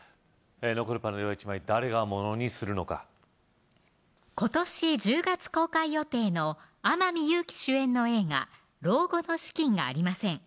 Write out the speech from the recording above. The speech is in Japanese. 残るパネルは１枚誰がものにするのか今年１０月公開予定の天海祐希主演の映画老後の資金がありません！